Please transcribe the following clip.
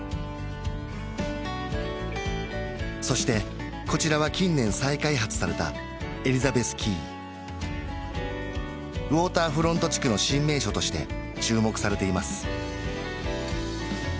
そしてこちらは近年再開発されたエリザベスキーウォーターフロント地区の新名所として注目されています